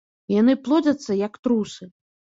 Яны плодзяцца як трусы.